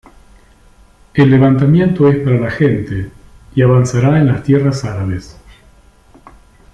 El levantamiento es para la gente y avanzará en las tierras árabes.